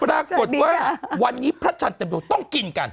ปรากฏว่าวันนี้พระจันทร์เต็มดวงต้องกินกัน